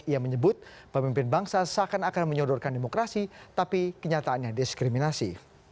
ia menyebut pemimpin bangsa seakan akan menyodorkan demokrasi tapi kenyataannya diskriminasi